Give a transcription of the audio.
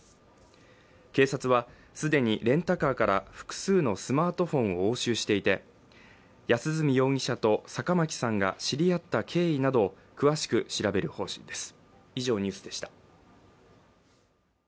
警察は既にレンタカーから複数のスマートフォンを押収していて安栖容疑者と坂巻さんが知り合った経緯などを詳しく調べる方針です。